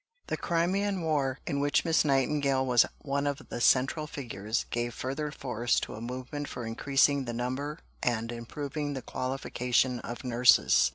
The Crimean War, in which Miss Nightingale was one of the central figures, gave further force to a movement for increasing the number and improving the qualification of nurses.